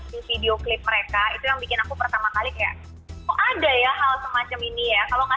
di video klip mereka itu yang bikin aku pertama kali kayak oh ada ya hal semacam ini ya kalau nggak